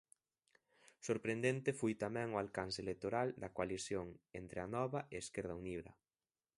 Sorprendente foi tamén o alcance electoral da coalición entre Anova e Esquerda Unida.